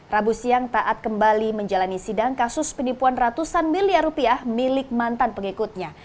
rabu siang taat kembali menjalani sidang kasus penipuan ratusan miliar rupiah milik mantan pengikutnya